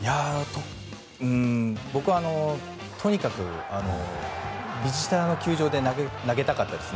僕はとにかくビジターの球場で投げたかったです。